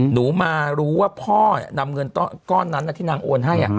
หนูมารู้ว่าพ่อนำเงินก้อนนั้นที่นางโอนให้